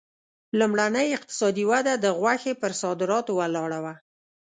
لومړنۍ اقتصادي وده د غوښې پر صادراتو ولاړه وه.